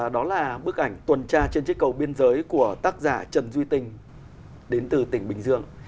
đó là bức ảnh tuần tra trên chiếc cầu biên giới của tác giả trần duy tình đến từ tỉnh bình dương